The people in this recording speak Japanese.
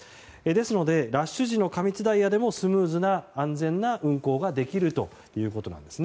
ですのでラッシュ時の過密ダイヤでもスムーズな安全な運行ができるということです。